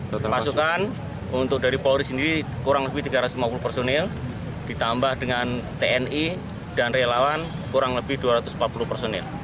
pasukan untuk dari polri sendiri kurang lebih tiga ratus lima puluh personil ditambah dengan tni dan relawan kurang lebih dua ratus empat puluh personil